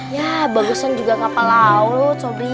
yah bagusan juga kapal laut sobri